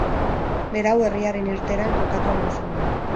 Berau, herriaren irteeran kokatua omen zegoen.